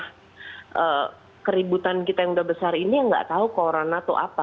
karena keributan kita yang udah besar ini nggak tahu corona tuh apa